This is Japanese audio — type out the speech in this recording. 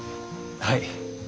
はい。